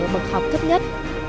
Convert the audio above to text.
bậc học thấp nhất